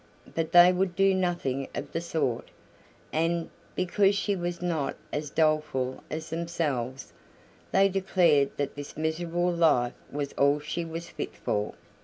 But they would do nothing of the sort, and, because she was not as doleful as themselves, they declared that this miserable life was all she was fit for.